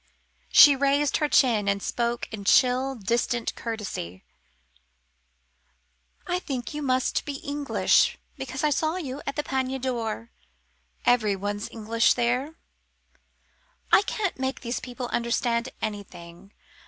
She raised her chin and spoke in chill, distant courtesy. "I think you must be English, because I saw you at the 'Panier d'Or'; everyone's English there. I can't make these people understand anything.